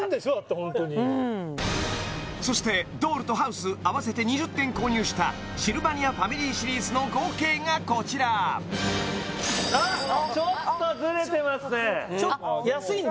ホントにうんそしてドールとハウス合わせて２０点購入したシルバニアファミリーシリーズの合計がこちらあっちょっとズレてますね安いんだ